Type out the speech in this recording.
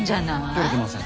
てれてません。